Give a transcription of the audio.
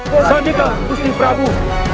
bersambungkan ustin prabu